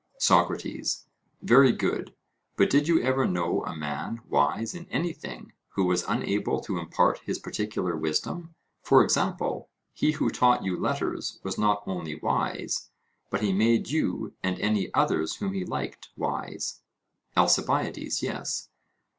SOCRATES: Very good; but did you ever know a man wise in anything who was unable to impart his particular wisdom? For example, he who taught you letters was not only wise, but he made you and any others whom he liked wise. ALCIBIADES: Yes.